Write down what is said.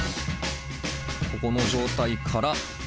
ここの状態から。